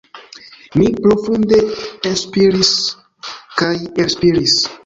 Mi profunde enspiris kaj elspiris.